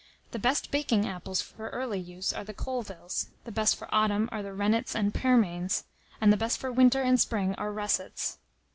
The best baking apples for early use are the Colvilles; the best for autumn are the rennets and pearmains; and the best for winter and spring are russets.